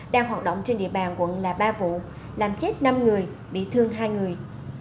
đang hoạt động trên địa bàn quận là ba vụ làm chết năm người bị thương hai người